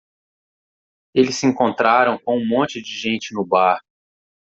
Eles se encontraram com um monte de gente no bar.